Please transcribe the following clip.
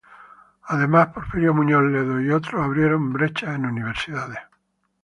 Por otra parte Porfirio Muñoz Ledo y otros abrieron brechas en universidades.